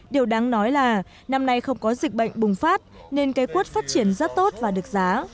điều đáng nói là năm nay không có dịch bệnh bùng phát nên cây quất phát triển rất tốt và được giá